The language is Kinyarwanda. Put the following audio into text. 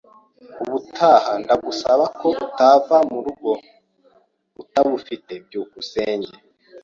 Ubutaha, ndagusaba ko utava murugo utabufite. byukusenge